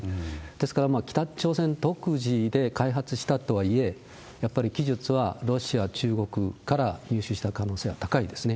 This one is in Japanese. ですから北朝鮮独自で開発したとはいえ、やっぱり技術はロシア、中国から入手した可能性は高いですね。